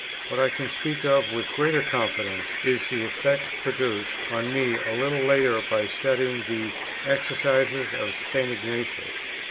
What I can speak of with greater confidence is the effect produced on me a little later by studying the Exercises of St. Ignatius.